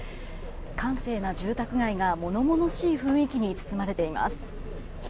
閑静な住宅街が物々しい雰囲気に包まれています。